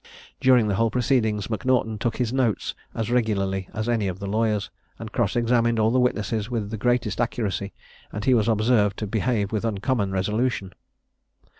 During the whole proceedings M'Naughton took his notes as regularly as any of the lawyers, and cross examined all the witnesses with the greatest accuracy, and he was observed to behave with uncommon resolution.